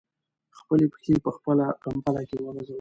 خپلې پښې په خپله کمپله کې وغځوئ.